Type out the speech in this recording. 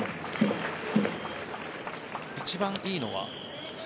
一番良いのは？